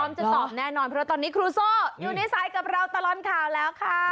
จะตอบแน่นอนเพราะตอนนี้ครูโซ่อยู่ในสายกับเราตลอดข่าวแล้วค่ะ